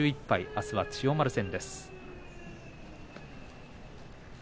あす千代丸戦です。